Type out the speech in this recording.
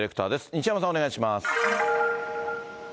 西山さん、お願いします。